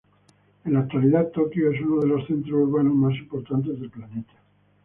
En la actualidad Tokio es uno de los centros urbanos más importantes del planeta.